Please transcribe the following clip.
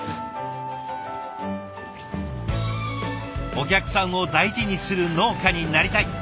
お客さんを大事にする農家になりたい。